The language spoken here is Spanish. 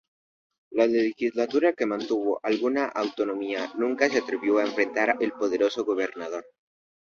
La legislatura, que mantuvo alguna autonomía, nunca se atrevió a enfrentar al poderoso gobernador.